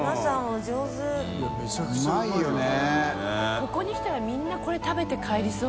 ここに来たらみんなこれ食べて帰りそう。